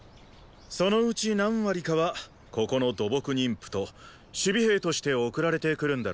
そのうち何割かはここの土木人夫と守備兵として送られてくるんだろ。